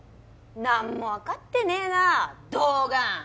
なんもわかってねえな童顔！